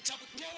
tidak bu ine